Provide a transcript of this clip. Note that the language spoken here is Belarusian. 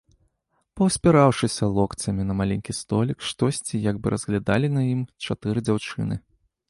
Паўспіраўшыся локцямі на маленькі столік, штосьці як бы разглядалі на ім чатыры дзяўчыны.